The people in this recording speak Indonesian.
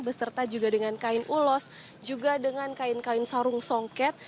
beserta juga dengan kain ulos juga dengan kain kain sarung songket